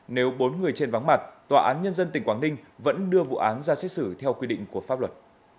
nếu bốn người trên vắng mặt tòa án nhân dân tỉnh quảng ninh vẫn đưa vụ án ra xét xử theo quy định của pháp luật